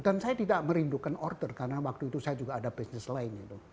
dan saya tidak merindukan order karena waktu itu saya juga ada bisnis lain